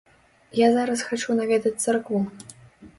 Я зараз хачу наведаць царкву.